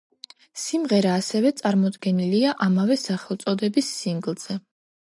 სიმღერა ასევე წარმოდგენილია ამავე სახელწოდების სინგლზე.